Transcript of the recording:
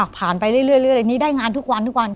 ผ่านไปเรื่อยนี่ได้งานทุกวัน